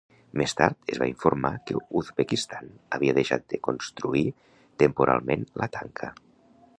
Més tard es va informar que Uzbekistan havia deixat de construir temporalment la tanca.